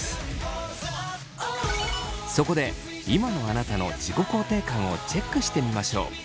そこで今のあなたの自己肯定感をチェックしてみましょう。